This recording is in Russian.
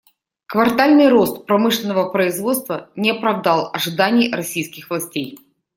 Квартальный рост промышленного производства не оправдал ожиданий российских властей.